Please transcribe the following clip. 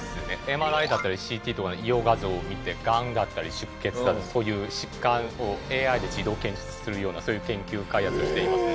ＭＲＩだったりＣＴとかの医療画像を見てガンだったり出血だったりそういう疾患をＡＩで自動検出するようなそういう研究開発をしていますね。